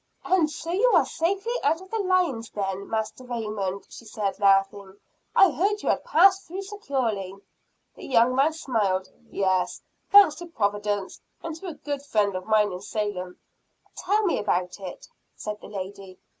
"And so you are safely out of the lion's den, Master Raymond," said she, laughing. "I heard you had passed through securely." The young man smiled. "Yes, thanks to Providence, and to a good friend of mine in Salem." "Tell me all about it," said the lady.